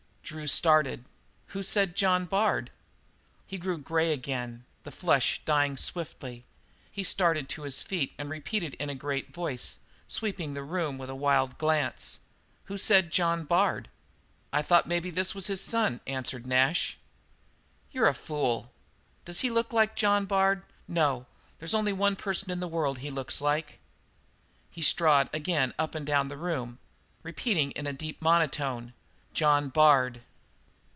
Drew started. "Who said John Bard?" He grew grey again, the flush dying swiftly. He started to his feet and repeated in a great voice, sweeping the room with a wild glance: "Who said John Bard?" "I thought maybe this was his son," answered Nash. "You're a fool! Does he look like John Bard? No, there's only one person in the world he looks like." He strode again up and down the room, repeating in a deep monotone: "John Bard!"